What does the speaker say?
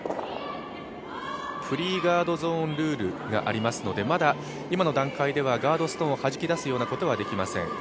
フリーガードゾーンルールがありますので、今の段階ではガードストーンをはじき出すようなことはできません。